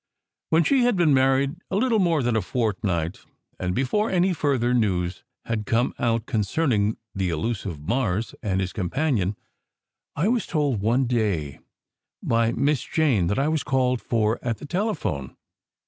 When she had been married a little more than a fortnight and before any further news had come out concerning the "Elusive Mars" and his companion, I was told one day by Miss Jane that I was called for at the telephone.